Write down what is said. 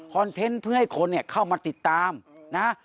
เทนต์เพื่อให้คนเนี่ยเข้ามาติดตามนะ